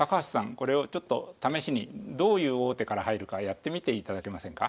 これをちょっと試しにどういう王手から入るかやってみていただけませんか？